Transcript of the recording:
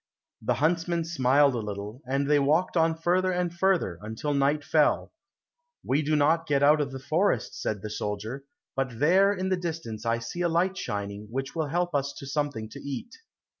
The huntsman smiled a little, and they walked on further and further, until night fell. "We do not get out of the forest," said the soldier, "but there in the distance I see a light shining, which will help us to something to eat."